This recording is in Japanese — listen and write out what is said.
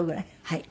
はい。